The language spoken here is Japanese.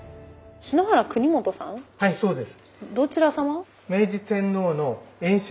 はいそうです。